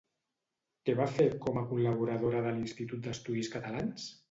Què va fer com a col·laboradora de l'Institut d'Estudis Catalans?